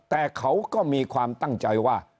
แต่เขาก็มีความตั้งใจว่า